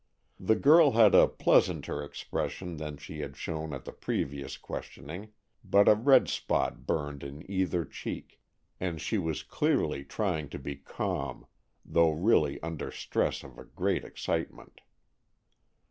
The girl had a pleasanter expression than she had shown at the previous questioning, but a red spot burned in either cheek, and she was clearly trying to be calm, though really under stress of a great excitement.